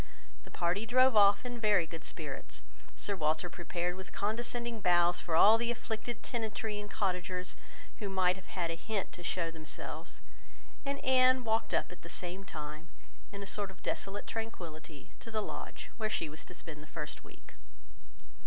The party drove off in very good spirits; Sir Walter prepared with condescending bows for all the afflicted tenantry and cottagers who might have had a hint to show themselves, and Anne walked up at the same time, in a sort of desolate tranquillity, to the Lodge, where she was to spend the first week.